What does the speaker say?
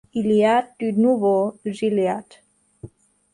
Il y a du nouveau, Gilliatt.